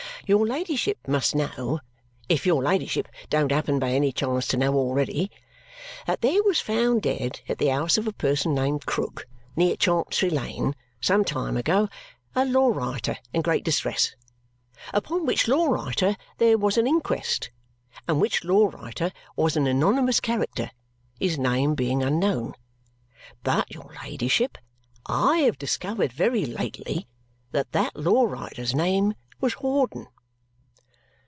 Your ladyship must know if your ladyship don't happen, by any chance, to know already that there was found dead at the house of a person named Krook, near Chancery Lane, some time ago, a law writer in great distress. Upon which law writer there was an inquest, and which law writer was an anonymous character, his name being unknown. But, your ladyship, I have discovered very lately that that law writer's name was Hawdon."